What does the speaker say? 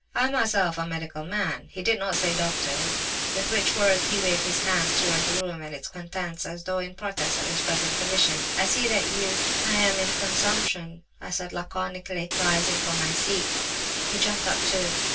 'I am myself a medical man' (he did not say 'doctor'), with which words he waved his hands towards the room and its contents as though in protest at his present condition. 'I see that you—' "'I'm in consumption,' I said laconically, rising from my seat. "He jumped up, too.